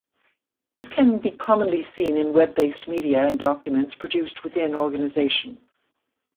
This can be commonly seen in web-based media and documents produced within organisations.